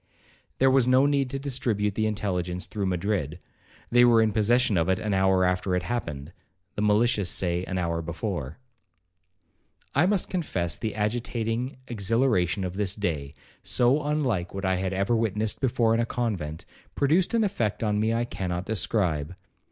There was no need to distribute the intelligence through Madrid,—they were in possession of it an hour after it happened,—the malicious say an hour before. 'I must confess the agitating exhilaration of this day, so unlike what I had ever witnessed before in a convent, produced an effect on me I cannot describe.